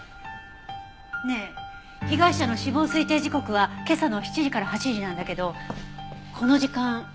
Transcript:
ねえ被害者の死亡推定時刻は今朝の７時から８時なんだけどこの時間。